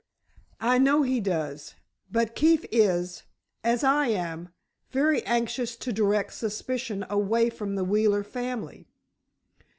"I know he does, but Keefe is—as I am—very anxious to direct suspicion away from the Wheeler family.